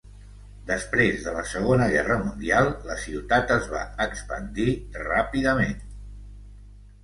Després de la segona guerra mundial, la ciutat es va expandir ràpidament.